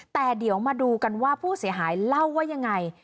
แต่เดี๋ยวมาดูกันว่าผู้เสียหายเล่าว่ายังไง